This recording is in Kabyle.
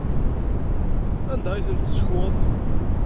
Anda ay ten-tessekweḍ?